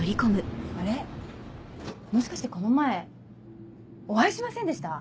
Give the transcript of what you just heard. あれもしかしてこの前お会いしませんでした？